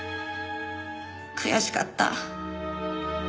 悔しかった。